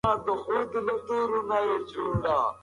هغوی ته د بښنې او تېرېدنې درس ورکړئ.